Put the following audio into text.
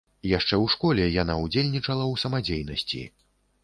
Яшчэ ў школе яна ўдзельнічала ў самадзейнасці.